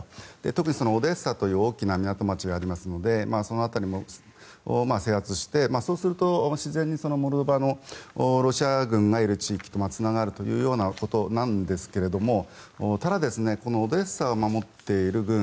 特にオデーサという大きな港町がありましてその辺りも制圧してそうすると自然にモルドバのロシア軍がいる地域とつながるというようなことなんですがただ、オデーサを守っている軍